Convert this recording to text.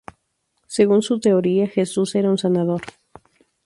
Según su teoría, Jesús era un sanador.